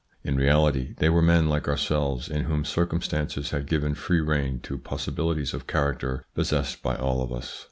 In reality they were men like our selves, in whom circumstances had given free rein to possibilities of character possessed by all of us.